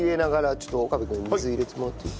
ちょっと岡部君水入れてもらっていい？